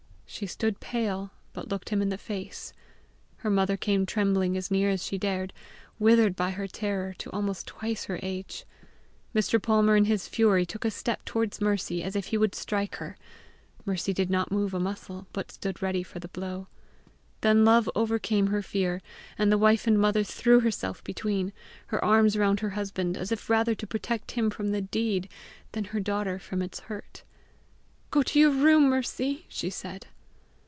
She stood pale, but looked him in the face. Her mother came trembling as near as she dared, withered by her terror to almost twice her age. Mr. Palmer in his fury took a step towards Mercy as if he would strike her. Mercy did not move a muscle, but stood ready for the blow. Then love overcame her fear, and the wife and mother threw herself between, her arms round her husband, as if rather to protect him from the deed than her daughter from its hurt. "Go to your room, Mercy," she said.